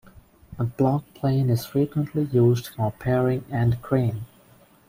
A block plane is frequently used for paring end grain.